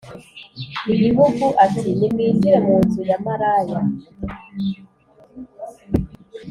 igihugu ati Nimwinjire mu nzu ya maraya